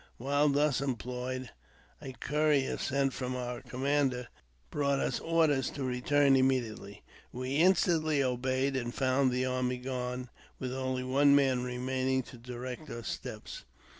While thus employed, a courier, sent from our commander, brought us orders to return immediately. We instantly obeyed, and found the army gone, with only one man remaining to direct our steps.